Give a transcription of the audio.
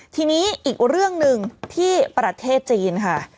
ทีนี้อีกเรื่องหนึ่งที่ประเทศจีนค่ะ